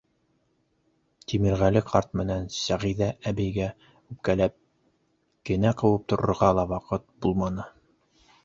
Тимерғәле ҡарт менән Сәғиҙә әбейгә үпкәләп, кенә ҡыуып торорға ла ваҡыт булманы.